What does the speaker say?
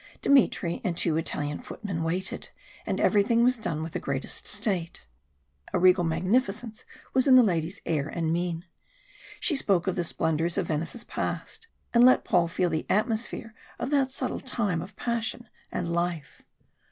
Dmitry and two Italian footmen waited, and everything was done with the greatest state. A regal magnificence was in the lady's air and mien. She spoke of the splendours of Venice's past, and let Paul feel the atmosphere of that subtle time of passion and life.